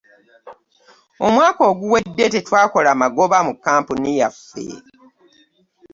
Omwaka oguwedde tetwakola magoba mu kkampuni yaffe.